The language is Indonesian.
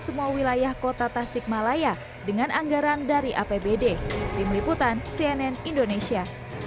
semua wilayah kota tasikmalaya dengan anggaran dari apbd tim liputan cnn indonesia